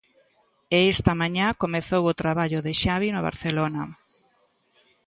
E esta mañá comezou o traballo de Xavi no Barcelona.